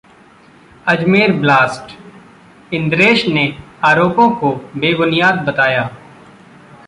Ajmer blast: Indresh ने आरोपों को बेबुनियाद बताया